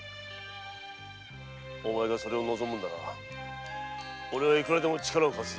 お前がそれを望むのならおれはいくらでも力を貸す。